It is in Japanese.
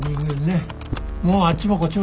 もうあっちもこっちも忙しいね。